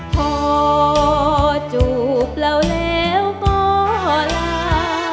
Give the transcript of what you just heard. พอจูบเราแล้วก็ลา